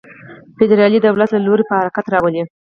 فدرالي دولت له لوري په حرکت راولي.